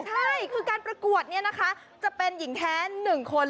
ใช่คือการประกวดเนี่ยนะคะจะเป็นหญิงแท้๑คน